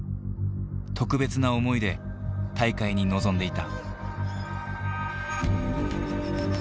特別な思いで大会に臨んでいた。